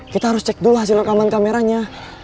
kita harus cek dulu hasil rekaman kameranya